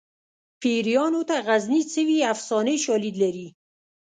پیریانو ته غزني څه وي افسانوي شالید لري